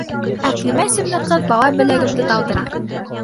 — Әҡлимә исемле ҡыҙ бала беләгемде талдыра.